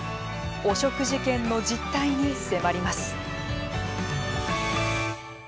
汚職事件の実態に迫ります。